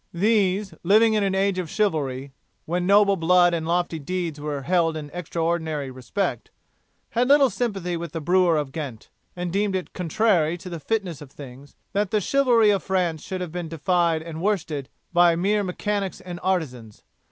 These, living in an age of chivalry, when noble blood and lofty deeds were held in extraordinary respect, had little sympathy with the brewer of Ghent, and deemed it contrary to the fitness of things that the chivalry of France should have been defied and worsted by mere mechanics and artisans.